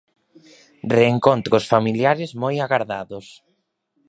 Reencontros familiares moi agardados.